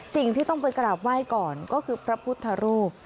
สิ่งที่ต้องไปกราบไหว้ก่อนก็คือพระพุทธรูป